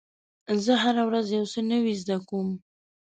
زه هره ورځ یو څه نوی زده کوم.